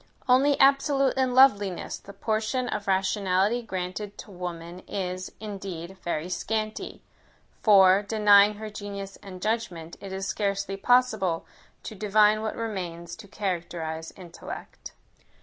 Only "absolute in loveliness," the portion of rationality granted to woman is, indeed, very scanty; for, denying her genius and judgment, it is scarcely possible to divine what remains to characterize intellect.